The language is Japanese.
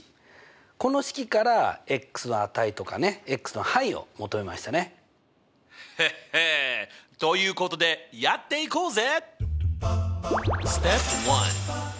この式からの値とかねの範囲を求めヘッヘということでやっていこうぜ！